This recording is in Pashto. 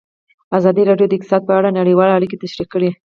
ازادي راډیو د اقتصاد په اړه نړیوالې اړیکې تشریح کړي.